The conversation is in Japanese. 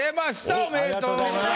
おめでとうございます。